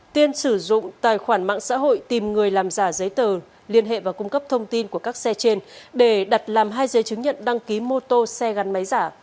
tiên sử dụng tài khoản mạng xã hội tìm người làm giả giấy tờ liên hệ và cung cấp thông tin của các xe trên để đặt làm hai giấy chứng nhận đăng ký mô tô xe gắn máy giả